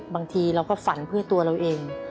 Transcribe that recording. บางทีเราก็ฝันเพื่อตัวเราเอง